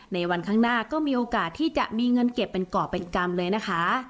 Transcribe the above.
ในวันข้างหน้าก็มีโอกาสที่จะมีเงินเก็บเป็นก่อเป็นกรรมเลยนะคะ